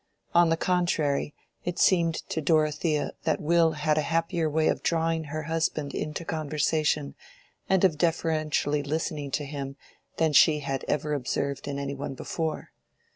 On the contrary it seemed to Dorothea that Will had a happier way of drawing her husband into conversation and of deferentially listening to him than she had ever observed in any one before.